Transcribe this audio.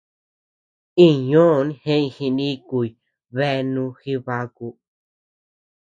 Iñ ñoʼon jeʼëñ jinikuy beanu Jibaku.